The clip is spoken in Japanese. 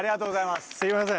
すみません。